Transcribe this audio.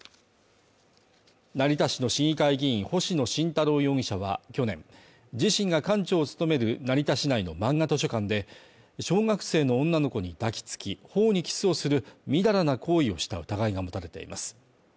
成田市の市議会議員、星野慎太郎容疑者は去年、自身が館長を務める成田市内のまんが図書館で小学生の女の子に抱きつき頬にキスをするみだらな行為をした疑いが持たれています。